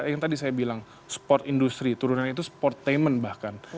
yang tadi saya bilang sport industri turunan itu sportainment bahkan